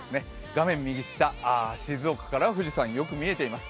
画面右下、静岡からは富士山よく見えています。